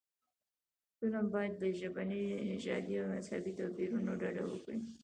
فلم باید له ژبني، نژادي او مذهبي توپیرونو ډډه وکړي